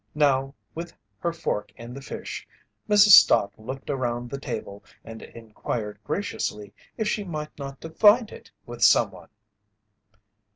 Now, with her fork in the fish, Mrs. Stott looked around the table and inquired graciously if she might not divide it with someone?